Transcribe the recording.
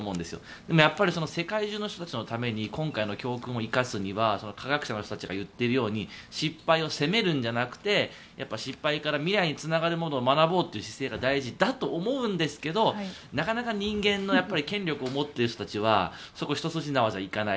でもやっぱり世界中の人たちのために今回の教訓を生かすには科学者の人たちが言っているように失敗を責めるんじゃなくて失敗から未来につながるものを学ぼうという姿勢が大事だと思うんですけどなかなか人間の権力を持っている人たちはそこが一筋縄じゃ行かない。